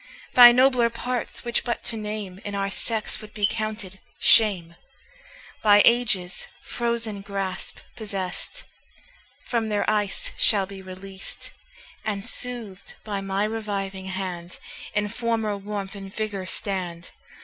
Thy nobler parts, which but to name In our sex would be counted shame, By ages frozen grasp possest, From their ice shall be released, And, soothed by my reviving hand, In former warmth and vigour stand.